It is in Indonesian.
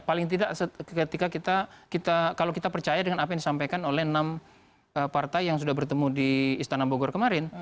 paling tidak ketika kita kalau kita percaya dengan apa yang disampaikan oleh enam partai yang sudah bertemu di istana bogor kemarin